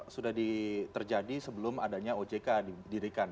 sudah terjadi sebelum adanya ojk didirikan